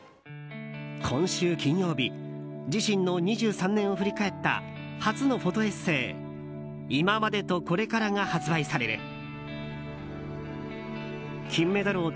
今週金曜日自身の２３年を振り返った初のフォトエッセー「いままでとこれから」が発売される。